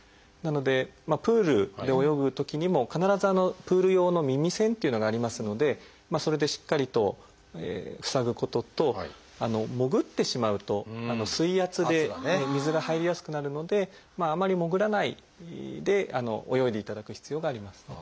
なのでプールで泳ぐときにも必ずプール用の耳栓っていうのがありますのでそれでしっかりと塞ぐことと潜ってしまうと水圧で水が入りやすくなるのでまああまり潜らないで泳いでいただく必要があります。